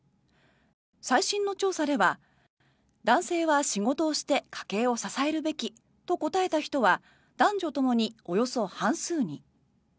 最新の調査では男性は仕事をして家計を支えるべきと答えた人は男女ともに、およそ半数に。